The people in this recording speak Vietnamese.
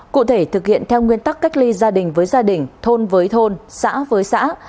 cụ thể thực hiện theo nguyên tắc cách ly gia đình với gia đình thôn với thôn xã với xã